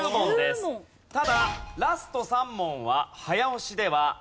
ただラスト３問は早押しではありません。